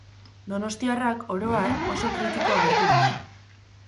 Donostiarrak, oro har, oso kritiko agertu dira.